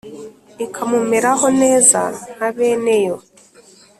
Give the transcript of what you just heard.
ikamumeraho neza nka beneyo?